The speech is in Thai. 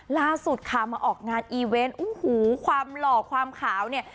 ล่าสุดค่ะมาออกงานอีเวนต์โอ้โหความหล่อความขาวเนี่ย